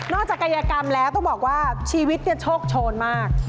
จากกายกรรมแล้วต้องบอกว่าชีวิตเนี่ยโชคโชนมาก